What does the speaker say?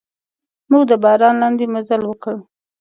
موږ د باران لاندې مزل وکړ.